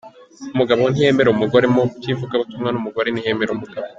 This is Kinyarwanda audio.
Umugabo ntiyemera umugore mu by’ivugabutumwa, n’umugore ntiyemera umugabo.